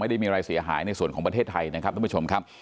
ไม่มีอะไรเสียหายในส่วนของประเทศไทยนะครับท่านผู้ชมครับ